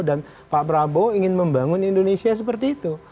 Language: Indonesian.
dan pak prabowo ingin membangun indonesia seperti itu